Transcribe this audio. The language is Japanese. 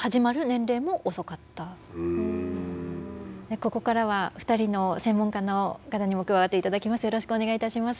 ここからは２人の専門家の方にも加わっていただきます。